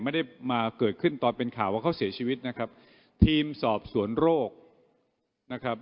ไม่ได้มาเกิดขึ้นตอนเป็นข่าวว่าเขาเสียชีวิตนะครับทีมสอบสวนโรคนะครับ